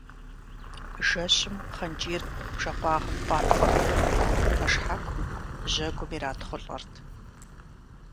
Жэщым пхъэнкӀийр бжэкъуагъым къуатхъуэртэкъым пэшхьэкум, жьэгум иратхъулӀэрт.